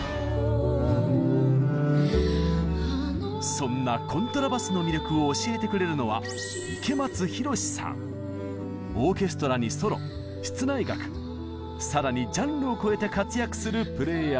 そんなコントラバスの魅力を教えてくれるのはオーケストラにソロ室内楽更にジャンルを超えて活躍するプレイヤーです。